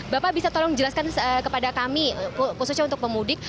bapak bisa tolong jelaskan kepada kami khususnya untuk pemudik